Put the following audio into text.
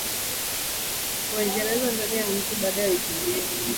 Waingereza ndani ya mji Baada ya wiki mbili